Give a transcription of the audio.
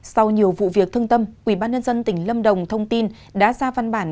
sau nhiều vụ việc thương tâm ubnd tỉnh lâm đồng thông tin đã ra văn bản